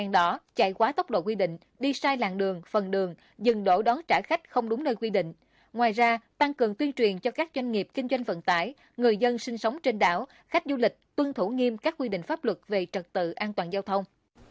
ngoài ra tăng cường tuyên truyền cho các doanh nghiệp kinh doanh vận tải người dân sinh sống trên đảo khách du lịch tuân thủ nghiêm các quy định pháp luật về trật tự an toàn giao thông